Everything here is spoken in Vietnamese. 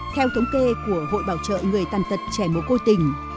theo thống kê của hội bảo trợ người tàn tật trẻ một cô tình